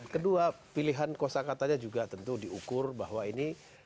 kedua pilihan kosa katanya juga tentu diukur bahwa ini